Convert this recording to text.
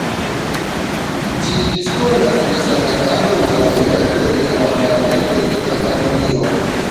Ĝi disponas de senatano laŭ elekto de la parlamento de Katalunio.